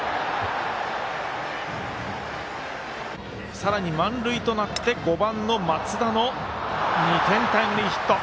さらに満塁となって５番の松田の２点タイムリーヒット。